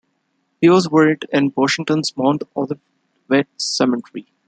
He was buried in Washington's Mount Olivet Cemetery.